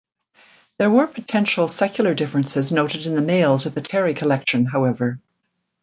There were potential secular differences noted in the males of the Terry collection, however.